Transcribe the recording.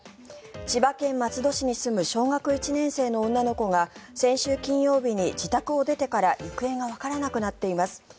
千葉県松戸市に住む小学１年生の女の子が先週金曜日に自宅を出てから行方がわからなくなっています。